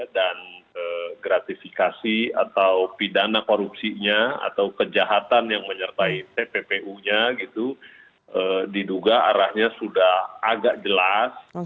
dan gratifikasi atau pidana korupsinya atau kejahatan yang menyertai tpu nya gitu diduga arahnya sudah agak jelas